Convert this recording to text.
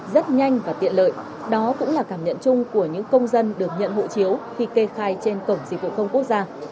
rất nhanh và tiện lợi đó cũng là cảm nhận chung của những công dân được nhận hộ chiếu khi kê khai trên cổng dịch vụ không quốc gia